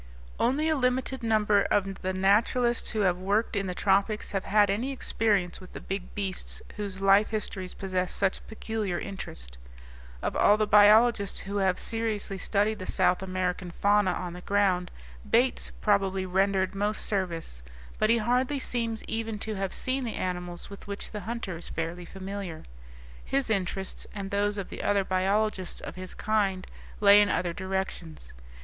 Only a limited number of the naturalists who have worked in the tropics have had any experience with the big beasts whose life histories possess such peculiar interest. Of all the biologists who have seriously studied the South American fauna on the ground, Bates probably rendered most service; but he hardly seems even to have seen the animals with which the hunter is fairly familiar. His interests, and those of the other biologists of his kind, lay in other directions.